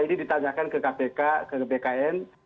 ini ditanyakan ke kpk ke bkn